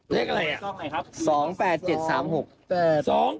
เลขอะไรน้อง